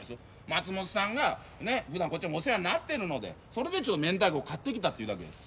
松本さんが普段こっちもお世話になってるのでそれでめんたいこを買ってきたっていうだけです